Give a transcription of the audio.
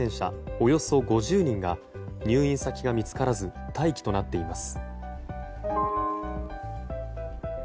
およそ５０人が入院先が見つからず待機となっています。